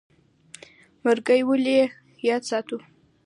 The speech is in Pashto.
مرګ ولې یاد ساتو؟